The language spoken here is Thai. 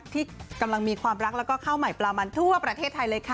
ที่กำลังมีความรักแล้วก็ข้าวใหม่ปลามันทั่วประเทศไทยเลยค่ะ